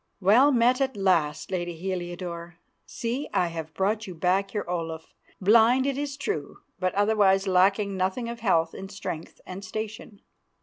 Well met at last, lady Heliodore. See, I have brought you back your Olaf, blind it is true, but otherwise lacking nothing of health and strength and station."